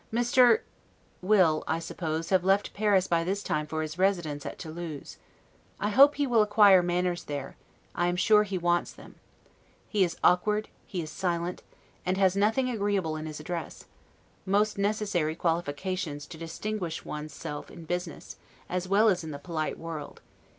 Mr. will, I suppose, have left Paris by this time for his residence at Toulouse. I hope he will acquire manners there; I am sure he wants them. He is awkward, he is silent, and has nothing agreeable in his address, most necessary qualifications to distinguish one's self in business, as well as in the POLITE WORLD!